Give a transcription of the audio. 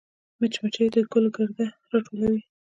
مچمچۍ د ګل ګرده راټولوي